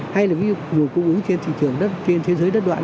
hay là ví dụ nguồn cung ứng trên thị trường trên thế giới đất đoạn